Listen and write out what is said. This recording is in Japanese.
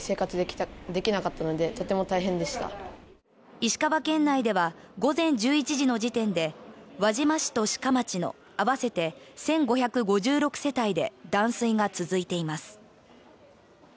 石川県内では午前１１時の時点で輪島市と志賀町の合わせて１５５６世帯で断水が続いています。